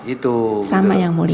itu sama yang mulia